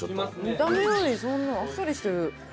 見た目よりそんなあっさりしてる。